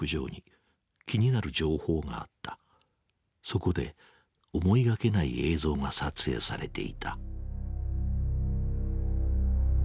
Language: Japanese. そこで思いがけない映像が撮影されていた。